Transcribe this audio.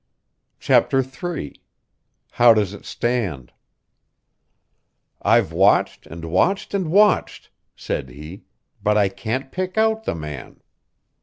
CHAPTER III "How does it stand" "I've watched and watched and watched," said he, "but I can't pick out the man.